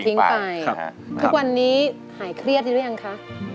ถึงสามครั้งครับทุกวันนี้หายเครียดเลยหรือยังคะ